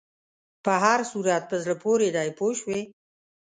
په هر صورت په زړه پورې دی پوه شوې!.